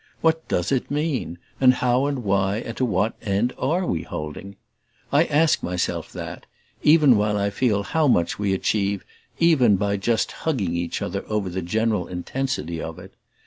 What does it mean, and how and why and to what end are we holding? I ask myself that even while I feel how much we achieve even by just hugging each other over the general intensity of it.